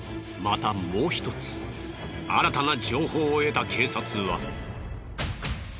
またもう一つ新たな情報を得た警察は。